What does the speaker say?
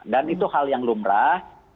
dan itu hal yang lumrah